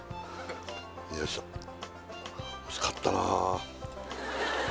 よいしょおいしかったな